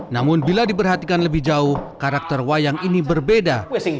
namun bila diperhatikan lebih jauh karakter wayang ini berbeda